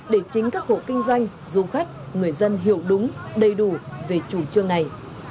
để chính các hộ kinh doanh du khách người dân hiểu đúng đầy đủ về chủ trương này